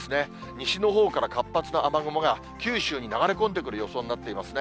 西のほうから活発な雨雲が九州に流れ込んでくる予想になっていますね。